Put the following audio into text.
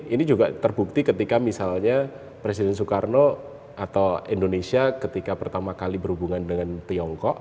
ini juga terbukti ketika misalnya presiden soekarno atau indonesia ketika pertama kali berhubungan dengan tiongkok